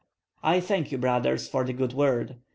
"I thank you, brothers, for the good word.